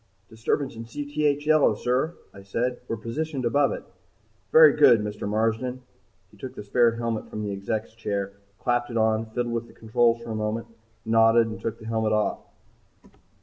"Disturbance in Cth yellow, sir," I said. "We're positioned above it." "Very good, Mr. Marsden." He took the spare helmet from the Exec's chair, clapped it on, fiddled with the controls for a moment, nodded, and took the helmet off.